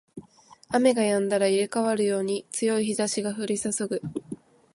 雨が止んだら入れ替わるように強い日差しが降りそそぐ